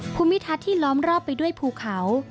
ภูมิทัศน์ที่ล้อมรอบไปด้วยภูเขา